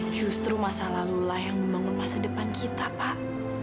justru masa lalulah yang membangun masa depan kita pak